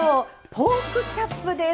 ポークチャップです。